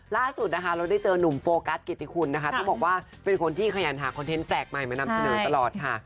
ล่าสุดนะคะเราได้เจอนุ่มโฟกัสกิติคุณนะคะต้องบอกว่าเป็นคนที่ขยันหาคอนเทนต์แปลกใหม่มานำเสนอตลอดค่ะ